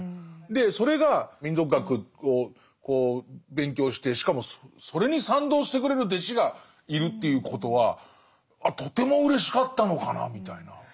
でそれが民俗学を勉強してしかもそれに賛同してくれる弟子がいるっていうことはとてもうれしかったのかなみたいな。